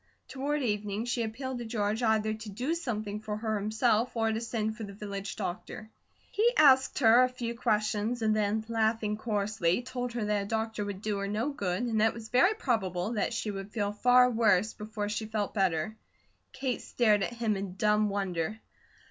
Toward evening, she appealed to George either to do something for her himself, or to send for the village doctor. He asked her a few questions and then, laughing coarsely, told her that a doctor would do her no good, and that it was very probable that she would feel far worse before she felt better. Kate stared at him in dumb wonder.